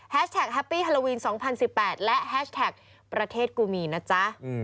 แท็กแฮปปี้ฮาโลวีน๒๐๑๘และแฮชแท็กประเทศกูมีนะจ๊ะ